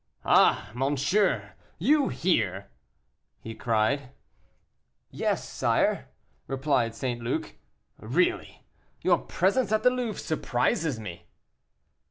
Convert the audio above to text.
"Ah, monsieur, you here!" he cried. "Yes, sire," replied St. Luc. "Really, your presence at the Louvre surprises me."